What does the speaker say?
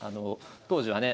当時はね